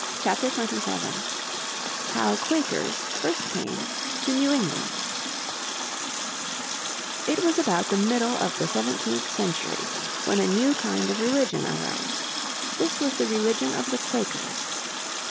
__________ Chapter 27 How Quakers First Came to New England It was about the middle of the seventeenth century when a new kind of religion arose. This was the religion of the Quakers.